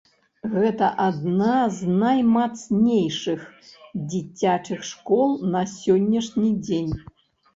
Гэта адна з наймацнейшых дзіцячых школ на сённяшні дзень.